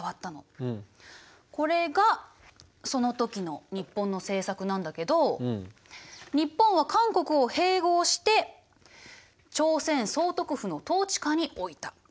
これがその時の日本の政策なんだけど日本は韓国を併合して朝鮮総督府の統治下に置いた。